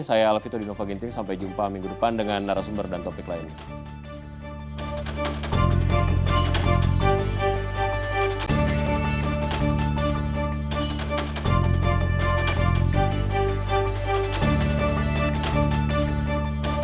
saya alvito dinova ginting sampai jumpa minggu depan dengan narasumber dan topik lainnya